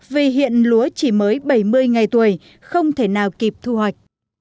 vì hiện lúa chỉ mới bảy mươi ngày tuổi không thể nào kịp thu hoạch